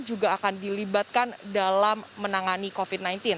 juga akan dilibatkan dalam menangani covid sembilan belas